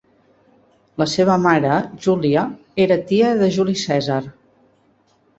La seva mare, Júlia, era tia de Juli Cèsar.